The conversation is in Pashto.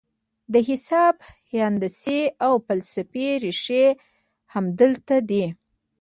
د حساب، هندسې او فلسفې رېښې همدلته دي.